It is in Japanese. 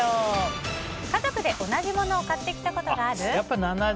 家族で同じものを買ってきたことがある？